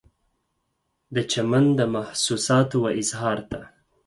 د چمن د محسوساتو و اظهار ته